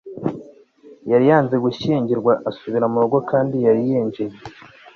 yari yanze gushyingirwa asubira mu rugo kandi yari yinjiye